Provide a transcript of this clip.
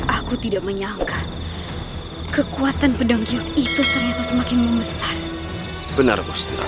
aku tidak menyangka kekuatan pedang itu semakin membesar benar